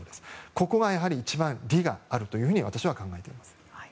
ここは一番利があると私は考えています。